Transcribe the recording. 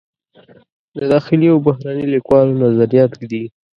د داخلي و بهرني لیکوالو نظریات ږدي.